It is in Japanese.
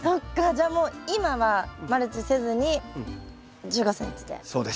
じゃあもう今はマルチせずに１５ｃｍで。